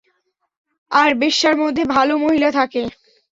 আর বেশ্যার মধ্যে ভালো মহিলা থাকে।